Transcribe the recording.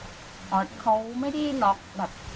อ๋อเขาไม่ได้ล็อกแบบ